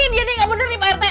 dia nih nggak bener nih pak rt